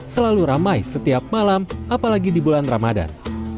selalu ramai setiap malam apalagi di bulan ramadan